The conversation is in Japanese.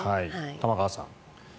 玉川さん。